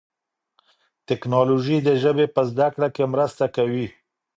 تکنالوژي د ژبي په زده کړه کي مرسته کوي.